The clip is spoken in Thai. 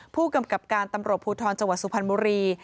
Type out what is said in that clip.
ผู้กำกับการตำรวจภูทรจังหวัดสุพรรณบุรี